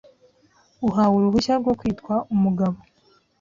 uhawe uruhushya rwo kwitwa umugabo,